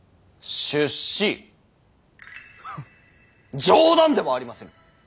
ハッ冗談ではありませぬ。